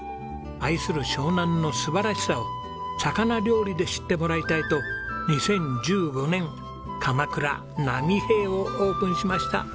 愛する湘南の素晴らしさを魚料理で知ってもらいたいと２０１５年鎌倉波平をオープンしました。